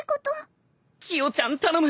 きよちゃん頼む！